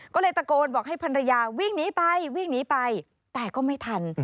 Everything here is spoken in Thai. ก็เลยตะโกนบอกให้พันรยาวิ่งหนีไปแต่ก็ไม่ทัน